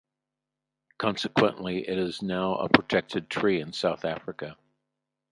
Consequently, it is now a Protected Tree in South Africa.